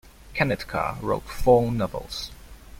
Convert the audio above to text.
Kanetkar wrote four novels.